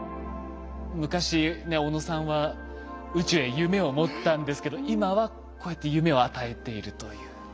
昔ね小野さんは宇宙へ夢を持ったんですけど今はこうやって夢を与えているという。